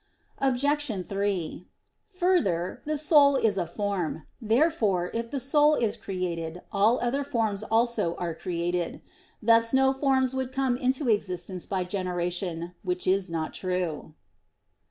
Obj. 3: Further, the soul is a form. Therefore, if the soul is created, all other forms also are created. Thus no forms would come into existence by generation; which is not true.